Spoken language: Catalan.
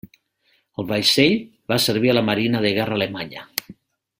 El vaixell Va servir a la Marina de Guerra alemanya.